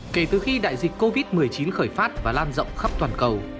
kể từ khi đại dịch covid một mươi chín khởi phát và lan rộng khắp toàn cầu